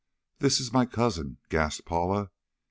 "This is my cousin," gasped Paula.